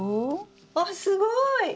あすごい！